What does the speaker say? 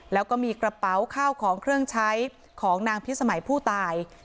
แล้วก็มีกระเป๋าข้าวของเครื่องใช้ของนางพิสมัยผู้ตาย